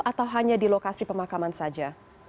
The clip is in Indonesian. atau hanya di lokasi pemakaman saja